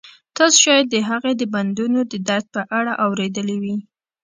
تاسو شاید د هغې د بندونو د درد په اړه اوریدلي وي